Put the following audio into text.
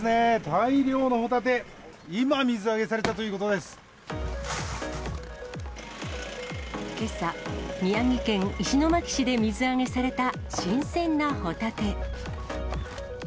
大量のホタテ、今、けさ、宮城県石巻市で水揚げされた新鮮なホタテ。